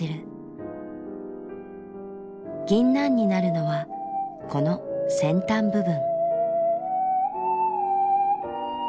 ぎんなんになるのはこの先端部分。